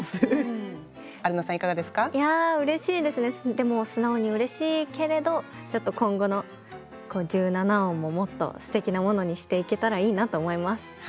でも素直にうれしいけれどちょっと今後の十七音ももっとすてきなものにしていけたらいいなと思います。